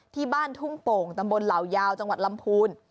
ที่บ้านทุ่งโป่งตำบลเหล่ายาวจังหวัดลำพูน